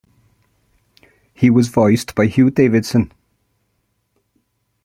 He was voiced by Hugh Davidson.